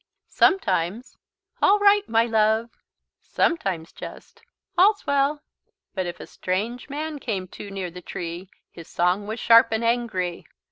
Sometimes: "All right, my love!" Sometimes just: "All's well!" But if a strange man came too near the tree his song was sharp and angry.